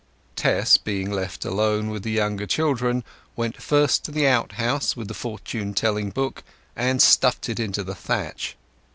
Tess, being left alone with the younger children, went first to the outhouse with the fortune telling book, and stuffed it into the thatch.